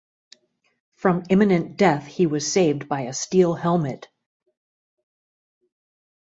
From imminent death he was saved by a steel helmet.